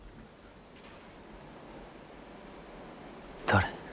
誰。